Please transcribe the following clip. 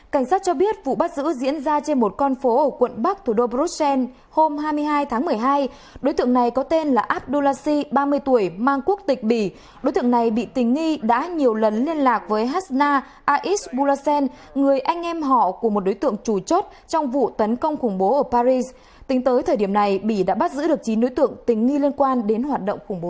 cảnh sát cho biết vụ bắt giữ diễn ra trên một con phố ở quận bắc thủ đô bruxelles hôm hai mươi hai tháng một mươi hai đối tượng này có tên là abdulasi ba mươi tuổi mang quốc tịch bỉ đối tượng này bị tình nghi đã nhiều lần liên lạc với hasna ais bulacen người anh em họ của một đối tượng trùi chốt trong vụ tấn công khủng bố ở paris tính tới thời điểm này bỉ đã bắt giữ được chín đối tượng tình nghi liên quan đến hoạt động khủng bố này